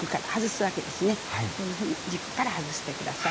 こういうふうに軸から外して下さい。